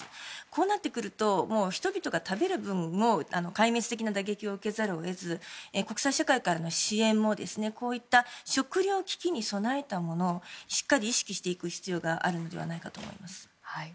こうなってくると人々が食べる分も壊滅的な打撃を受けざるを得ず国際社会からの支援も食糧危機に備えたものをしっかり意識していく必要があるのではないかと思います。